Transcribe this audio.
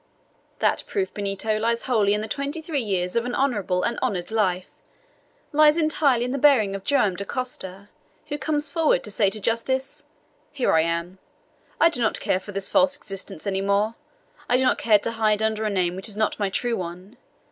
"That proof, Benito, lies wholly in the twenty three years of an honorable and honored life, lies entirely in the bearing of Joam Dacosta, who comes forward to say to justice, 'Here am I! I do not care for this false existence any more. I do not care to hide under a name which is not my true one!